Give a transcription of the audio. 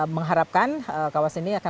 mengharapkan kawasan ini akan